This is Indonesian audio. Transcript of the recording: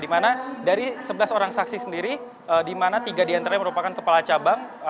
dimana dari sebelas orang saksi sendiri dimana tiga di antaranya merupakan kepala cabang